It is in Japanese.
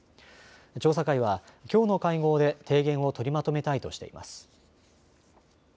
調査会はきょうの会合で提言を取りまとめたいとしています。